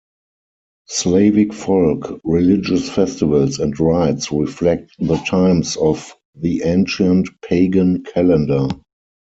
Slavic folk religious festivals and rites reflect the times of the ancient Pagan calendar.